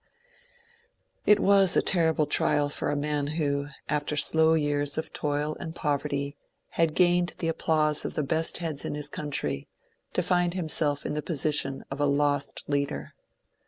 It was a terrible trial for a man who, after slow years of toil and poverty, had gained the applause of the best heads in his country, to find himself in the position of a '^Lost Leader."